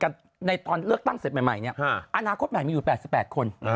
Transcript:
หลังจากนี้ระวังว่าในตอนเลือกตั้งใหม่อนาคตใหม่มีอยู่๘๘คน